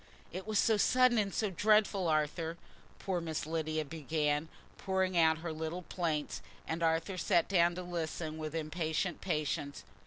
"It was so sudden and so dreadful, Arthur," poor Miss Lydia began, pouring out her little plaints, and Arthur sat down to listen with impatient patience.